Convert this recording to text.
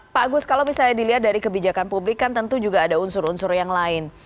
pak agus kalau misalnya dilihat dari kebijakan publik kan tentu juga ada unsur unsur yang lain